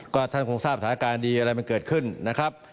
ก็ท่านคงทราบสถานการณ์ดีอะไรมันเกิดขึ้นนะครับ